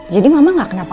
jadi mama gak kenapa